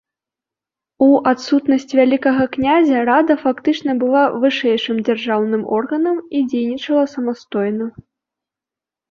У адсутнасць вялікага князя рада фактычна была вышэйшым дзяржаўным органам і дзейнічала самастойна.